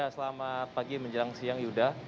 selamat pagi menjelang siang yuda